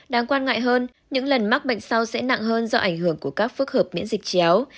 đáng quan ngại hơn những lần mắc bệnh sau sẽ nặng hơn do ảnh hưởng của các phước hợp miễn dịch chéo